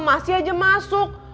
masih aja masuk